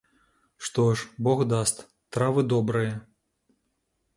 Что ж, Бог даст, травы добрые.